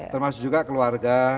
termasuk juga keluarga